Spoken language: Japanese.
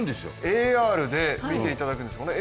ＡＲで見ていただけるんですもんね。